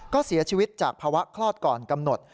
ก็เสียชีวิตจากภาวะคลอดก่อนกำหนด